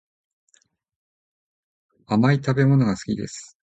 甘い食べ物が好きです